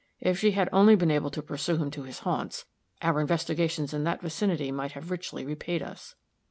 If she had only been able to pursue him to his haunts, our investigations in that vicinity might have richly repaid us."